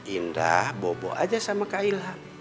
indah bobo aja sama kak ilham